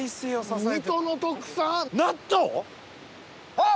あっ！